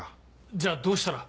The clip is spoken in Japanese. じゃあどうしたら。